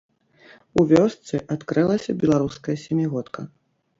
У вёсцы адкрылася беларуская сямігодка.